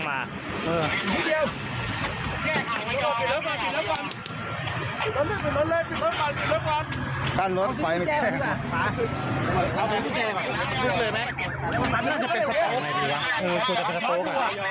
พยายามเรียกเลยไหม